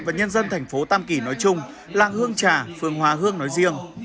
và nhân dân tp tam kỳ nói chung làng hương trà phương hóa hương nói riêng